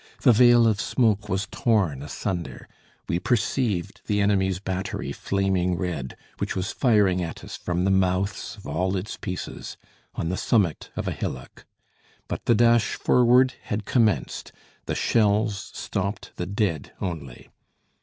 The veil of smoke was torn asunder; we perceived the enemy's battery flaming red, which was firing at us from the mouths of all its pieces, on the summit of a hillock. But the dash forward had commenced, the shells stopped the dead only.